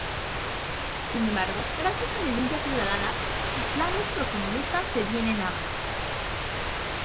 Sin embargo, gracias a denuncias ciudadanas, sus planes pro comunistas se vienen abajo.